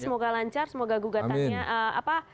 semoga lancar semoga gugatannya